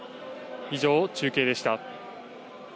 以上、中継でした。